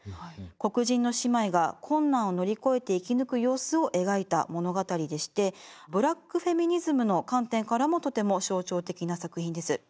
黒人の姉妹が困難を乗り越えて生き抜く様子を描いた物語でしてブラック・フェミニズムの観点からもとても象徴的な作品です。